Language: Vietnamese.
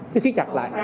nó siết chặt lại